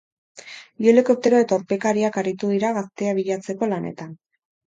Bi helikoptero eta urpekariak aritu dira gaztea bilatzeko lanetan.